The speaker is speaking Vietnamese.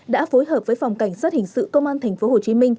đã phối hợp với phòng cảnh sát hình sự công an tp hcm